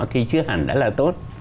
thì chưa hẳn đã là tốt